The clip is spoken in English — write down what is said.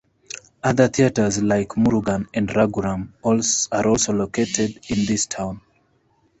Other theatres like Murugan and Raguram are also located in this town.